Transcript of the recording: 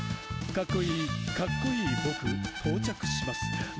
「かっこいいかっこいい僕到着しますー」